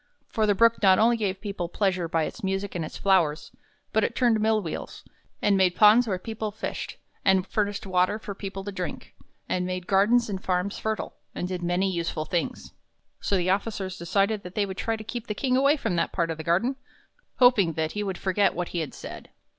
For the Brook not only gave people pleasure by its music and its flowers, but it turned mill wheels, and made ponds where people fished, and furnished water for people to drink, and made gardens and farms fertile, and did many useful things. So the officers decided that they would try to keep the King away from that part of the garden, hoping that he would forget what he had said.